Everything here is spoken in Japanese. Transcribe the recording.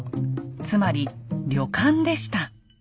つまり旅館でした。